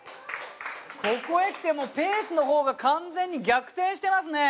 ここへきてペースのほうが完全に逆転してますね！